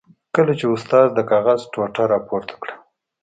کله چې استاد د کاغذ ټوټه را پورته کړه.